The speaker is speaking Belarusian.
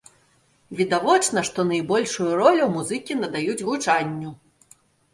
Відавочна, што найбольшую ролю музыкі надаюць гучанню.